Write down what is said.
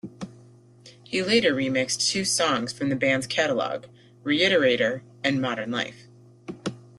He later remixed two songs from the band's catalogue - "Reiterator" and "Modern Life".